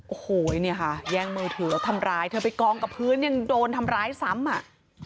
โอ้โหเนี่ยค่ะแย่งมือถือแล้วทำร้ายเธอไปกองกับพื้นยังโดนทำร้ายซ้ำอ่ะ